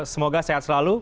semoga sehat selalu